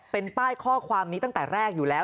เป็นป้ายข้อความนี้ตั้งแต่แรกอยู่แล้ว